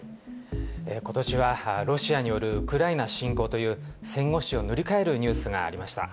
ことしはロシアによるウクライナ侵攻という、戦後史を塗り替えるニュースがありました。